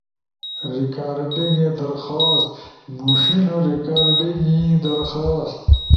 ریکارڈنگ درخواست، مُݜینو ریکارڈنگ ئی درخواست